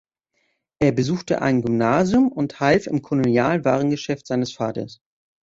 Er besuchte ein Gymnasium und half im Kolonialwarengeschäft seines Vaters.